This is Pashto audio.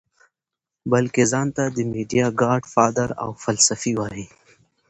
بلکه ځان ته د ميډيا ګاډ فادر او فلسفي وائي -